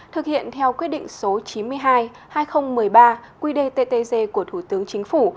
thực hiện theo quyết định số chín mươi hai hai nghìn một mươi ba quy đề ttg của thủ tướng chính phủ